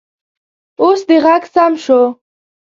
اوس دې غږ سم شو